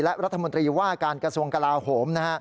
และรัฐมนตรีว่าการกระทรวงกลาโหม